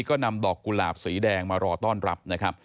ก็นำดอกกุหลาบสีแดงมารอต้อนรับนะครับ